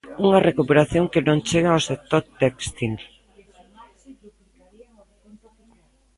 Unha recuperación que non chega ao sector téxtil.